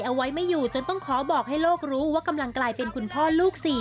เอาไว้ไม่อยู่จนต้องขอบอกให้โลกรู้ว่ากำลังกลายเป็นคุณพ่อลูก๔